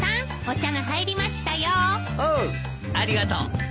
おうありがとう。